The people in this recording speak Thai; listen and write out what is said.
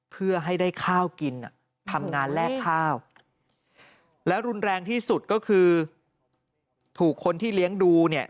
เพื่อให้ได้ข้าวกินทำงานแลกข้าวแล้วรุนแรงที่สุดก็คือถูกคนที่เลี้ยงดูเนี่ย